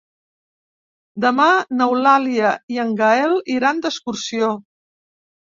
Demà n'Eulàlia i en Gaël iran d'excursió.